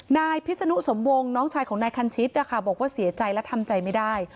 นายพิศนุสมวงน้องชายของนายคันชิดนะคะบอกว่าเสียใจและทำใจไม่ได้